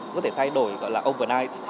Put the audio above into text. có thể thay đổi gọi là overnight